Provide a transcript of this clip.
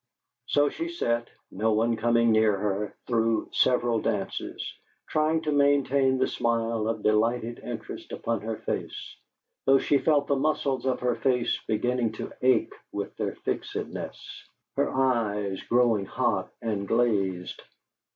So she sat, no one coming near her, through several dances, trying to maintain the smile of delighted interest upon her face, though she felt the muscles of her face beginning to ache with their fixedness, her eyes growing hot and glazed.